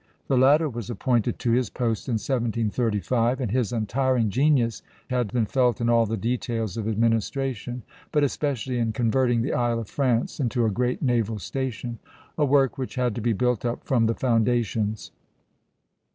The latter was appointed to his post in 1735, and his untiring genius had been felt in all the details of administration, but especially in converting the Isle of France into a great naval station, a work which had to be built up from the foundations.